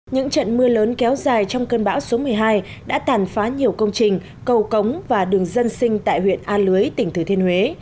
những trận mưa lớn kéo dài trong cơn bão số một mươi hai đã tàn phá nhiều công trình cầu cống và đường dân sinh tại huyện a lưới tỉnh thừa thiên huế